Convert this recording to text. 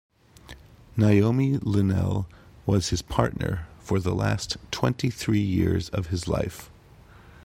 Naomi Linnell was his partner for the last twenty-three years of his life.